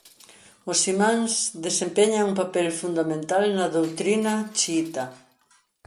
Os imáns desempeñan un papel fundamental na doutrina xiíta.